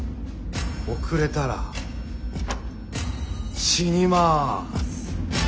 遅れたら死にます。